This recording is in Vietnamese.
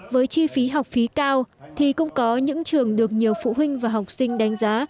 với chi phí học phí cao thì cũng có những trường được nhiều phụ huynh và học sinh đánh giá